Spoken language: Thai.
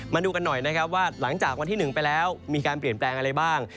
มาดูกันหน่อยนะครับว่าหลังจากวันที่๑ไปแล้วมีการเปลี่ยนแปลงอะไรบ้าง